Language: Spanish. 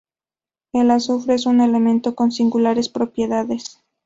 El azufre es un elemento con singulares propiedades.